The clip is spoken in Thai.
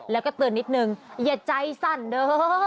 แล้วก็เตือนนิดนึงอย่าใจสั่นเด้อ